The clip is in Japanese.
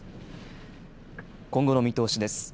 今後の見通しです。